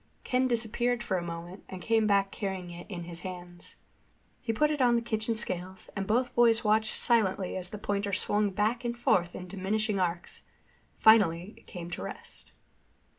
Ken disappeared for a moment and came back carrying it in his hands. He put it on the kitchen scales, and both boys watched silently as the pointer swung back and forth in diminishing arcs. Finally it came to rest.